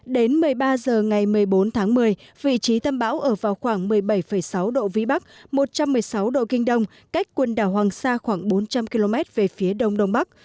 đến một mươi ba h ngày một mươi bốn tháng một mươi vị trí tâm bão ở vào khoảng một mươi bảy sáu độ vĩ bắc một trăm một mươi sáu độ kinh đông cách quần đảo hoàng sa khoảng bốn trăm linh km về phía đông đông bắc